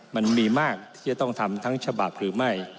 มันมีมากที่จะต้องทำทั้งฉบับหรือไม่